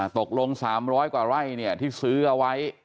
ตกลง๓๐๐กว่าไร่ที่ซื้อเอาไว้